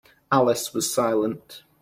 Alice was silent.